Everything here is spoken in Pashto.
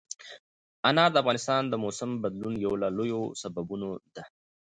انار د افغانستان د موسم د بدلون یو له لویو سببونو ده.